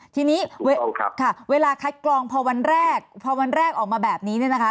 ทีนี้ค่ะเวลาคัดกรองพอวันแรกพอวันแรกออกมาแบบนี้เนี่ยนะคะ